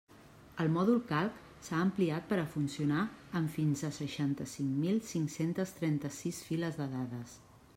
El mòdul Calc s'ha ampliat per a funcionar amb fins a seixanta-cinc mil cinc-centes trenta-sis files de dades.